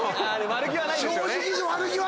悪気はないんですよね。